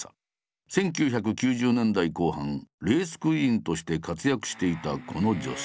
１９９０年代後半レースクイーンとして活躍していたこの女性。